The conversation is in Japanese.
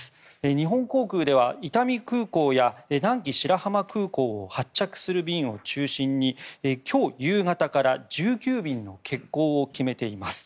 日本航空では伊丹空港や南紀白浜空港を発着する便を中心に今日夕方から１９便の欠航を決めています。